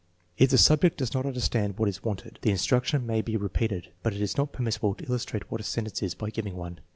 If the subject does not understand what is wanted, the instruction may be repeated, but it is not permissible to illustrate what a sentence is by giving one.